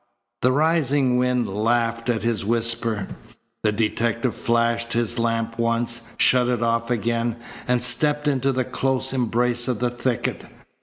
The rising wind laughed at his whisper. The detective flashed his lamp once, shut it off again, and stepped into the close embrace of the thicket.